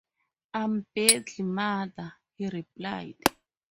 “I’m badly, mother!” he replied.